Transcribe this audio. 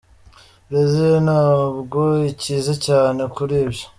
Bresil ntabwo ikize cyane kuri ibyo”.